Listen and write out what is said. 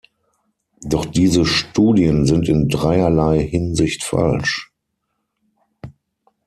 Doch diese Studien sind in dreierlei Hinsicht falsch.